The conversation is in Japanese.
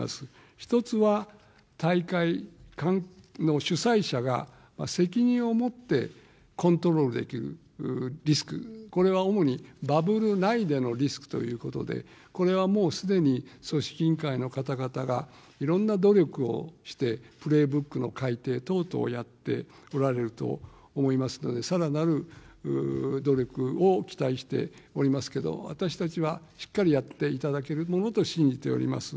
１つは大会の主催者が、責任を持ってコントロールできるリスク、これは主にバブル内でのリスクということで、これはもうすでに組織委員会の方々がいろんな努力をして、プレーブックの改定等々やっておられると思いますので、さらなる努力を期待しておりますけど、私たちは、しっかりやっていただけるものと信じております。